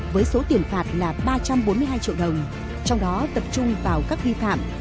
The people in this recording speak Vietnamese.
với số tiền phạt là ba trăm bốn mươi hai triệu đồng trong đó tập trung vào các vi phạm